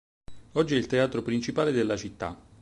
Oggi è il teatro principale della città.